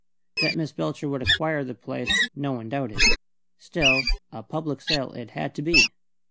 That Miss Belcher would acquire the place no one doubted. Still, a public sale it had to be.